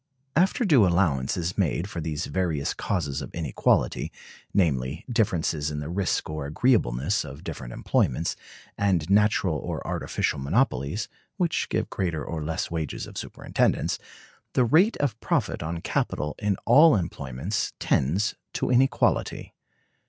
After due allowance is made for these various causes of inequality, namely, difference in the risk or agreeableness of different employments, and natural or artificial monopolies [which give greater or less wages of superintendence], the rate of profit on capital in all employments tends to an equality.